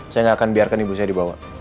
saya nggak akan biarkan ibu saya dibawa